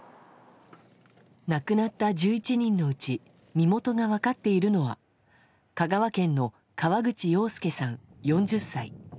亡くなった１１人のうち身元が分かっているのは香川県の河口洋介さん、４０歳。